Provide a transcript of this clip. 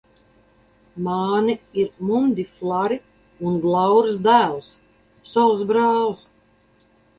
Māni ir Mundilfari un Glauras dēls, Solas brālis.